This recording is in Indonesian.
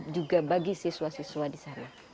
juga bagi siswa siswa di sana